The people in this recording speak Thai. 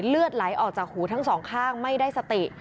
เลือดไหลออกจากหูทั้งสองข้างไม่ได้สติ